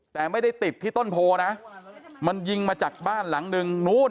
แต่ไม่ได้ติดที่ต้นโพลนะมันยิงมาจากบ้านหลังนึงนู้น